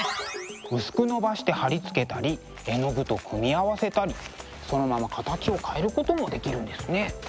薄くのばして貼り付けたり絵の具と組み合わせたりそのまま形を変えることもできるんですね。